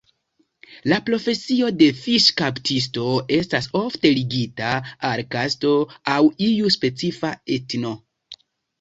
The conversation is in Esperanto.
La profesio de fiŝkaptisto estas ofte ligita al kasto aŭ iu specifa etno.